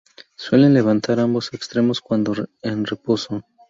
Suelen levantar ambos extremos cuando en reposo.